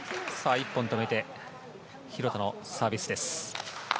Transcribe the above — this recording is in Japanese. １本止めて廣田のサービスです。